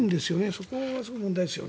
そこがすごく問題ですよね。